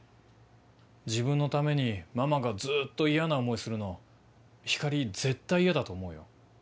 自分のためにママがずっと嫌な思いするの光莉絶対嫌だと思うよ